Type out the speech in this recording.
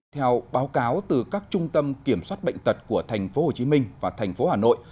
theo báo cáo từ các trung tâm kiểm soát bệnh tật của thành phố hồ chí minh và thành phố hà nội